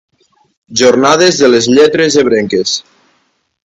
Jornades de les Lletres Ebrenques.